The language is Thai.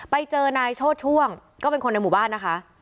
ไปเจอนายโชดช่วงก็เป็นคนในหมู่บ้านนะคะ